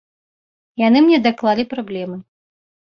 Яны мне даклалі праблемы.